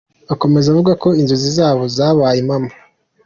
Akomeza avuga ko inzozi zabo zabaye impamo.